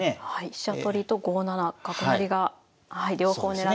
飛車取りと５七角成が両方狙ってますね。